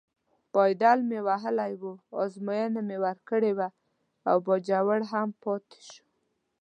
پایډل مې وهلی و، ازموینه مې ورکړې وه او باجوړ هم پاتې شو.